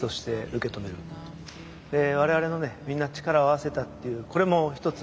で我々のみんな力を合わせたっていうこれも一つ